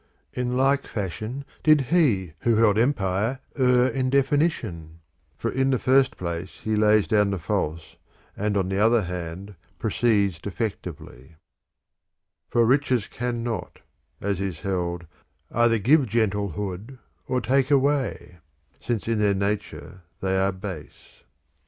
In like fashion did he who held empire err in de finition, for in the first place he lays down the false, and on the other hand proceeds defectively ; For riches can not (as is held) Either give gentlehood or take away, since in their nature they are base.